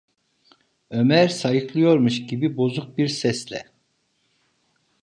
Ömer sayıklıyormuş gibi bozuk bir sesle: